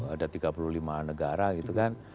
ada tiga puluh lima negara gitu kan